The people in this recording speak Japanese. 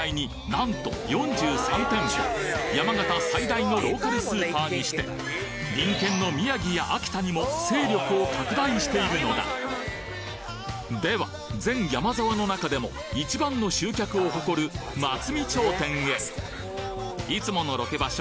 現在山形最大のローカルスーパーにして隣県の宮城や秋田にも勢力を拡大しているのだでは全ヤマザワの中でも一番の集客を誇る松見町店へいつものロケ場所